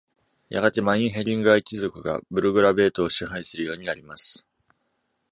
やがてマインヘリンガー一族がブルグラベートを支配するようになります。